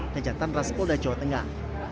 dan jantan raspol da jawa tengah